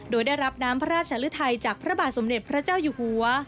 โดยได้รับน้ำพระราชลึทัยจากพระบาทสมเด็จพระเจ้าอยู่หัว